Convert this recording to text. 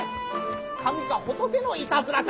神か仏のいたずらか？